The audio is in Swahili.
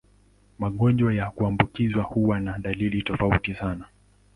Magonjwa ya kuambukizwa huwa na dalili tofauti sana.